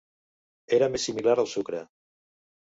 Era més similar al sucre.